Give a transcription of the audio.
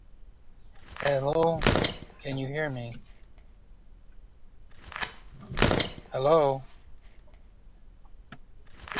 Amish Acres is home to Nappanee's Arts and Crafts Festival.